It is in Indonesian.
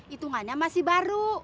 itungannya masih baru